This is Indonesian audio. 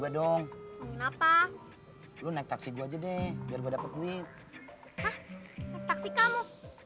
dong kenapa lu naik taksi gue jadi biar gue dapet duit taksi kamu